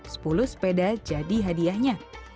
sepuluh sepeda jadi hadiahnya